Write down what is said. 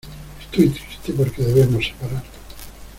estoy triste porque debemos separarnos.